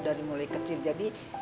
dari mulai kecil jadi